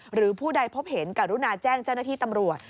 หรือผู้ใดพบเห็นการุณาแจ้งเจ้าหน้าที่ตำรวจ